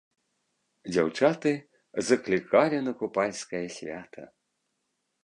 Дзяўчаты заклікалі на купальскае свята.